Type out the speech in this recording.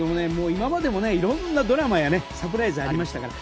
今までも色んなドラマやサプライズがありましたから。